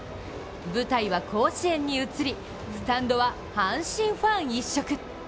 舞台は甲子園に移り、スタンドは阪神ファン一色。